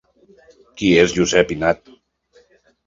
Qui és Josep Ynat?